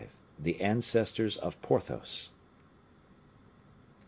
The Ancestors of Porthos.